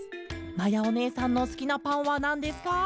まやおねえさんのすきなパンはなんですか？」。